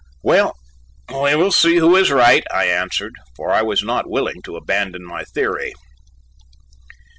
"Well, we will see who is right," I answered, for I was not willing to abandon my theory.